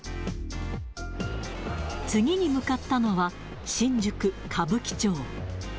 次に向かったのは、新宿・歌舞伎町。